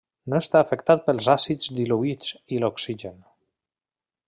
No està afectat pels àcids diluïts i l'oxigen.